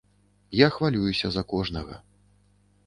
Я хвалююся за кожнага.